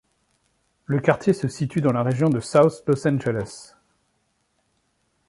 Le quartier se situe dans la région de South Los Angeles.